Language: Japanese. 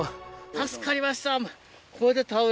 助かりました！